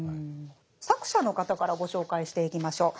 作者の方からご紹介していきましょう。